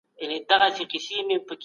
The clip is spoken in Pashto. دا پېښه په تاريخ کي ثبت سوي وه.